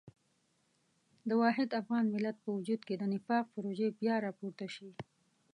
د واحد افغان ملت په وجود کې د نفاق پروژې بیا راپورته شي.